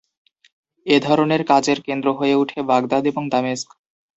এ ধরনের কাজের কেন্দ্র হয়ে উঠে বাগদাদ এবং দামেস্ক।